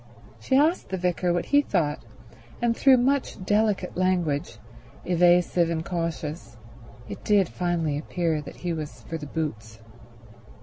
She asked the vicar what he thought, and through much delicate language, evasive and cautious, it did finally appear that he was for the boots.